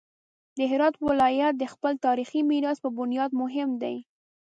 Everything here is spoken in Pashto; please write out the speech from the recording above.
د هرات ولایت د خپل تاریخي میراث په بنیاد مهم دی.